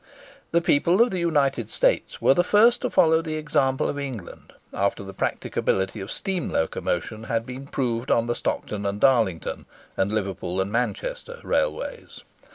The people of the United States were the first to follow the example of England, after the practicability of steam locomotion had been proved on the Stockton and Darlington, and Liverpool and Manchester Railways.